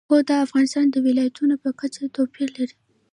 هوا د افغانستان د ولایاتو په کچه توپیر لري.